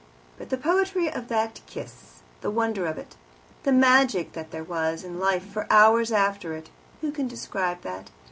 But the poetry of that kiss, the wonder of it, the magic that there was in life for hours after it who can describe that?